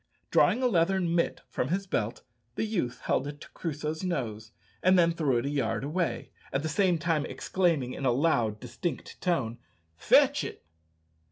Drawing a leathern mitten from his belt, the youth held it to Crusoe's nose, and then threw it a yard away, at the same time exclaiming in a loud, distinct tone, "Fetch it."